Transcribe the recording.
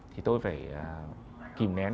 thì tôi phải kìm nén